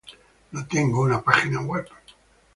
No tengo una página web.